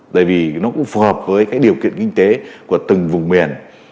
bởi vì nó cũng phù hợp với cái điều kiện kinh tế của từng vùng miền